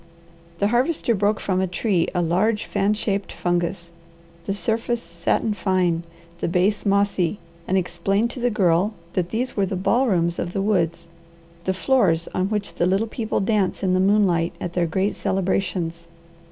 The Harvester broke from a tree a large fan shaped fungus, the surface satin fine, the base mossy, and explained to the Girl that these were the ballrooms of the woods, the floors on which the little people dance in the moonlight at their great celebrations.